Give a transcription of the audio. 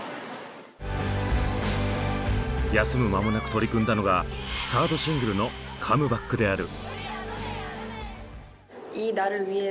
休む間もなく取り組んだのがサードシングルのカムバックである。